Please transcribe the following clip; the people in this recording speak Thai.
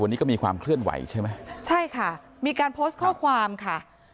วันนี้ก็มีความเคลื่อนไหวใช่ไหมใช่ค่ะมีการโพสต์ข้อความค่ะ